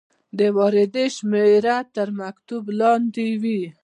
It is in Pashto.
د واردې شمیره تر مکتوب لاندې وي.